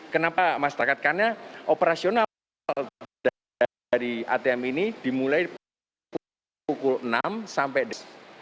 kenapa masyarakat karena operasional dari atm ini dimulai pukul enam sampai